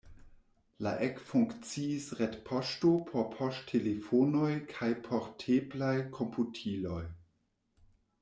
La ekfunkciis retpoŝto por poŝtelefonoj kaj porteblaj komputiloj.